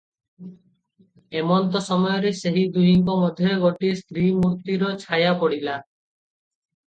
ଏମନ୍ତ ସମୟରେ ସେହି ଦୁହିଁଙ୍କ ମଧ୍ୟରେ ଗୋଟିଏ ସ୍ତ୍ରୀ ମୂର୍ତ୍ତିର ଛାୟା ପଡ଼ିଲା ।